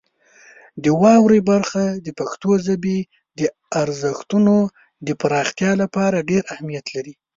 د واورئ برخه د پښتو ژبې د ارزښتونو د پراختیا لپاره ډېر اهمیت لري.